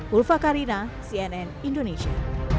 wulfa karina cnn indonesia